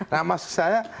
nah maksud saya